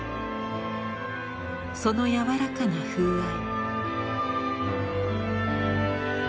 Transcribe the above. その柔らかな風合い。